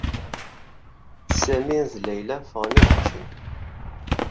Sami d Layla ffɣen ad ččen.